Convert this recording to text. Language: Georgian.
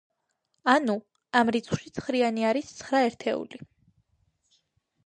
ანუ, ამ რიცხვში ცხრიანი არის ცხრა ერთეული.